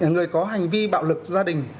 người có hành vi bạo lực gia đình